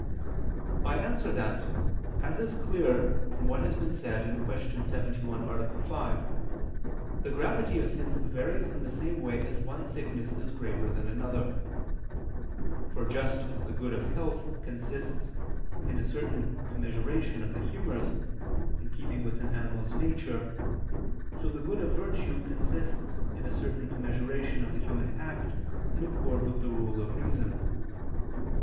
I answer that, As is clear from what has been said (Q. 71, A. 5), the gravity of sins varies in the same way as one sickness is graver than another: for just as the good of health consists in a certain commensuration of the humors, in keeping with an animal's nature, so the good of virtue consists in a certain commensuration of the human act in accord with the rule of reason.